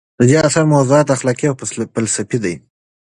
د دې اثر موضوعات اخلاقي او فلسفي دي.